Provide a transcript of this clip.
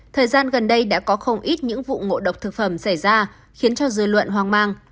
thời gian gần đây đã có không ít những vụ ngộ độc thực phẩm xảy ra khiến cho dư luận hoang mang